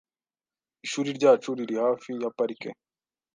Ishuri ryacu riri hafi ya parike .